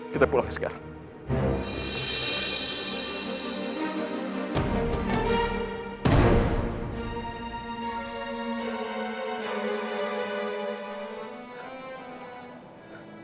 kita pulang sekarang